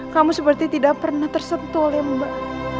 kamu seperti tidak pernah tersentuh ya mbak